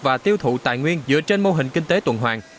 và tiêu thụ tài nguyên dựa trên mô hình kinh tế tuần hoàng